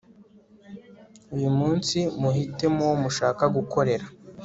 uyu munsi muhitemo uwo mushaka gukorera